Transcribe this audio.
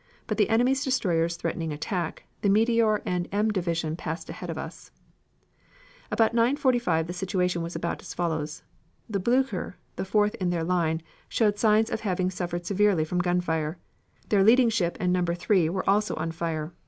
But the enemy's destroyers threatening attack, the Meteor and M division passed ahead of us. "About 9.45 the situation was about as follows: The Blucher, the fourth in their line, showed signs of having suffered severely from gun fire, their leading ship and number three were also on fire.